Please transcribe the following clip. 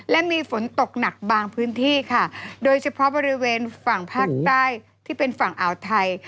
และมีฝนตกหนักบางพื้นที่ค่ะโดยเฉพาะบริเวณฝั่งภาคใต้ที่เป็นฝั่งอ่าวไทย